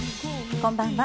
こんばんは。